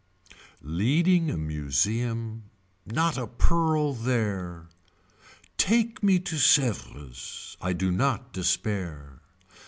Leading a museum not a pearl there. Take me to Sevres I do not despair.